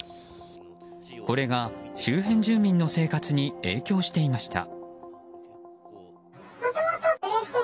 これが周辺住民の生活に影響していました。